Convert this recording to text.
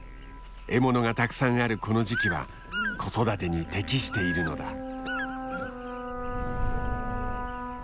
獲物がたくさんあるこの時期は子育てに適しているのだ。